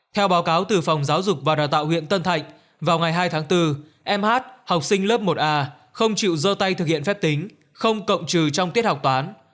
theo báo cáo từ phòng giáo dục và đào tạo huyện tân thạnh vào ngày hai tháng bốn em học sinh lớp một a không chịu dơ tay thực hiện phép tính không cộng trừ trong tiết học toán